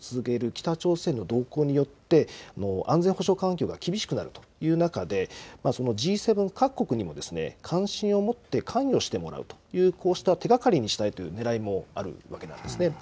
北朝鮮の動向によって、安全保障環境が厳しくなるという中で、Ｇ７各国にも関心を持って関与してもらうという、こうした手がかりにしたいというねらいもあるわけなんですね。